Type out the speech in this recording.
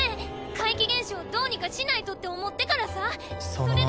怪奇現象どうにかしないとって思ってからさそれで。